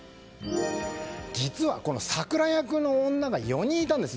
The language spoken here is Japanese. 実はサクラ役の女が４人いたんです。